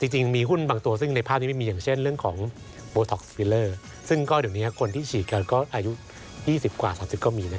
จริงมีหุ้นบางตัวซึ่งในภาพนี้ไม่มี